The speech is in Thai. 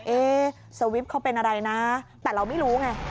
เอสวิปเขาเป็นอะไรนะแต่เราไม่รู้ไง